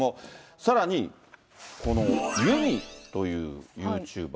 さらにこのユミというユーチューバー。